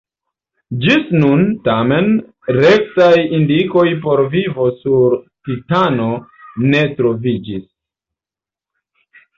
Ĝis nun, tamen, rektaj indikoj por vivo sur Titano ne troviĝis.